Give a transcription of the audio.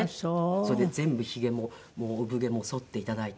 それで全部ヒゲも産毛も剃って頂いて。